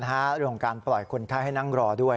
แต่เรื่องการปล่อยคุณค่าให้นั่งรอด้วย